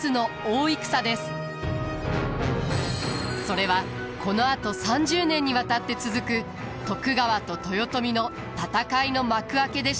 それはこのあと３０年にわたって続く徳川と豊臣の戦いの幕開けでした。